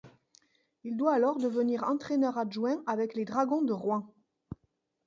Il doit alors devenir entraîneur-adjoint avec les Dragons de Rouen.